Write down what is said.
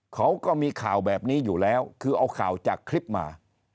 เขาก็มีข่าวแบบนี้อยู่แล้วคือเอาข่าวจากคลิปมา